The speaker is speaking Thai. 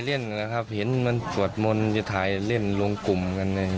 เล่นนะครับเห็นมันสวดม่อนจะถ่ายเล่นหัวลงกลุ่มกันอย่าง